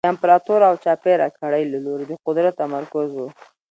د امپراتور او چاپېره کړۍ له لوري د قدرت تمرکز و